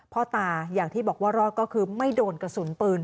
พ่อตาอย่างที่บอกว่ารอดก็คือไม่โดนกระสุนปืน